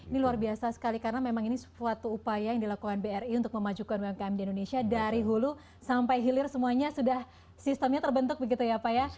ini luar biasa sekali karena memang ini suatu upaya yang dilakukan bri untuk memajukan umkm di indonesia dari hulu sampai hilir semuanya sudah sistemnya terbentuk begitu ya pak ya